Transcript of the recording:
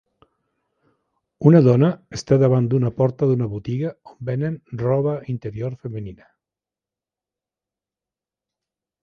Una dona està davant d'una porta d'una botiga on venen roba interior femenina.